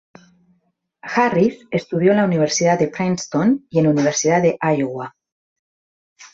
Harris estudió en la Universidad de Princeton y en Universidad de Iowa.